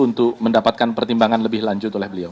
untuk mendapatkan pertimbangan lebih lanjut oleh beliau